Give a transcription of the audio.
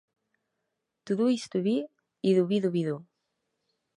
«to do is to be» i «do be do be do».